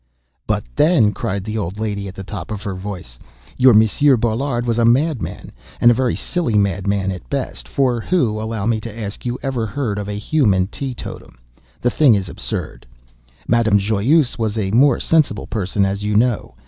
"But then," cried the old lady, at the top of her voice, "your Monsieur Boullard was a madman, and a very silly madman at best; for who, allow me to ask you, ever heard of a human tee totum? The thing is absurd. Madame Joyeuse was a more sensible person, as you know.